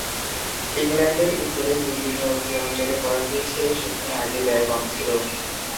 ইংল্যান্ডের উত্তরে মূল বিনিয়োগ যে অঞ্চলে করা হয়েছিল সেখানে আগে ব্যয় কম ছিল।